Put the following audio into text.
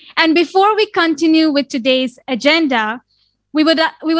dan sebelum kita lanjutkan agenda hari ini